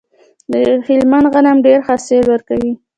د هلمند غنم ډیر حاصل ورکوي.